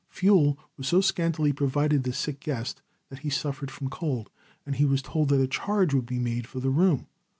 Fuel was so scantily provided the sick guest that he suffered from cold, and he was told that a charge would be made for the room.